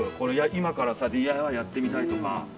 今からＤＩＹやってみたいとか。